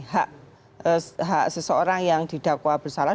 hak seseorang yang didakwa bersalah